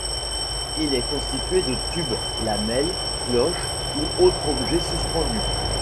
Il est constitué de tubes, lamelles, cloches ou autres objets suspendus.